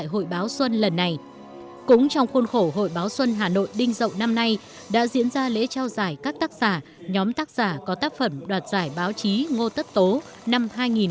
hội báo xuân đinh dậu năm nay đã diễn ra lễ trao giải các tác giả nhóm tác giả có tác phẩm đoạt giải báo chí ngô tất tố năm hai nghìn một mươi sáu